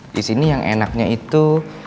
di sini yang enaknya itu